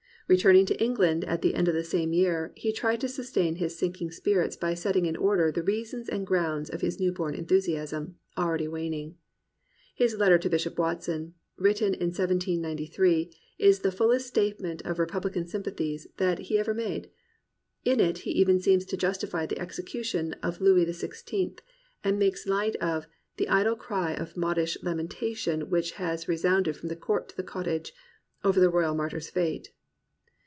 Returning to England at the end of the same year, he tried to sustain his sinking spirits by setting in order the reasons and grounds of his new born enthusiasm, already waning. His letter to Bishop Watson, writ ten in 1793, is the fullest statement of repubhcan sympathies that he ever made. In it he even seems to justify the execution of Louis XVI, and makes light of "the idle cry of modish lamentation which has resounded from the court to the cottage" over the royal martyr's fate.